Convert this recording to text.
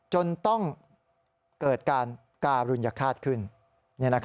จนต้องเกิดการการุญฆาตขึ้น